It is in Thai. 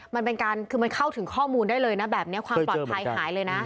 มันเป็นการคือมันเข้าถึงข้อมูลได้เลยนะแบบนี้ความปลอดภัยหายเลยนะ